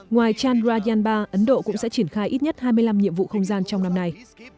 ngoài chandrayan ba ấn độ cũng sẽ triển khai ít nhất hai mươi năm nhiệm vụ không gian trong năm nay